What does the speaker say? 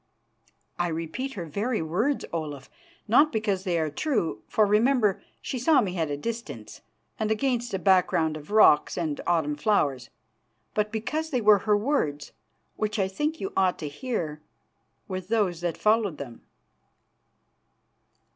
"I repeat her very words, Olaf, not because they are true for, remember, she saw me at a distance and against a background of rocks and autumn flowers but because they were her words, which I think you ought to hear, with those that followed them."